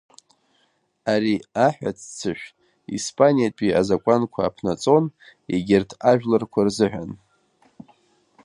Ари аҳәа ццышә испаниатәи азакәанқәа аԥнаҵон егьырҭ ажәларқәа рзыҳәан.